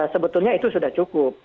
sebetulnya itu sudah cukup